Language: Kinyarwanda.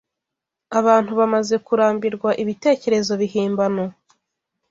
Abantu bamaze kurambirwa ibitekerezo bihimbano